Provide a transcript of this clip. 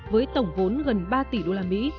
với tổng vốn gần ba tỷ usd